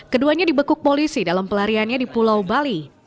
keduanya dibekuk polisi dalam pelariannya di pulau bali